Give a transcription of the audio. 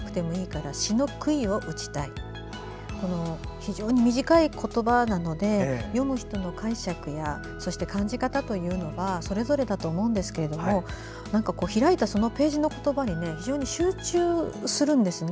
非常に短い言葉なので読む人の解釈や感じ方というのがそれぞれだと思うんですけど開いたそのページの言葉に非常に集中するんですね。